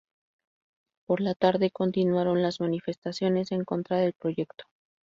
Por la tarde continuaron las manifestaciones en contra del proyecto.